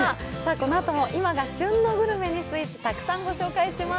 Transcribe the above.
このあとも今が旬のグルメにスイーツ、たくさんご紹介します。